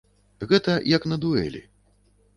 Гэта як на дуэлі.